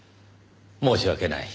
申し訳ない。